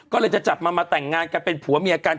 ก็เลยจะจับมามาแต่งงานกันเป็นผัวเมียกัน